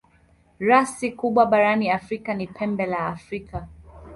Rasi kubwa barani Afrika ni Pembe la Afrika.